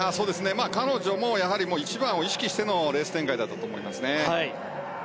彼女も、やはり１番を意識してのレース展開だったと思いますね。